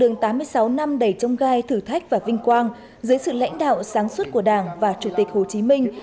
đường tám mươi sáu năm đầy trông gai thử thách và vinh quang dưới sự lãnh đạo sáng suốt của đảng và chủ tịch hồ chí minh